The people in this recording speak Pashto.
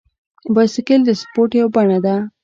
بایسکل د سپورت یوه بڼه ده.